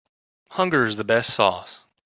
Hunger is the best sauce.